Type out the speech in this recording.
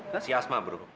nah si asma bro